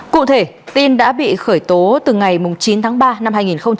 cụ thể tin đã bị khởi tố từ ngày chín tháng ba năm hai nghìn hai mươi